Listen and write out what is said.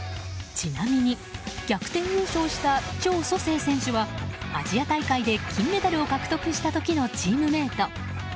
ちなみに、逆転優勝したチョウ・ソセイ選手はアジア大会で金メダルを獲得した時のチームメート。